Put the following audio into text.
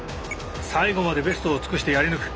最後までベストを尽くしてやり抜く。